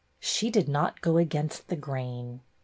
She did not go against the grain.